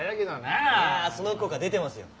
いやその効果出てますよ。